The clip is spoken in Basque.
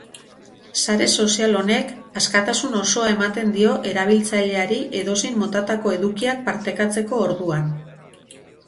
Sare sozial honek askatasun osoa ematen dio erabiltzaileari edozein motatako edukiak partekatzeko orduan.